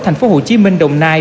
thành phố hồ chí minh đồng nai